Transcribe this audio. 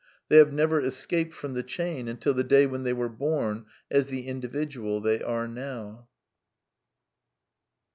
They have never escaped from the chain until the day when they were bom as the individual they are now.